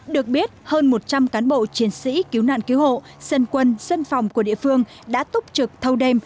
được biết hơn một trăm linh cán bộ chiến sĩ cứu nạn cứu hộ dân quân dân phòng của địa phương đã túc trực thâu đêm